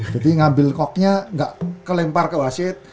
jadi ngambil cocknya nggak kelempar ke oaset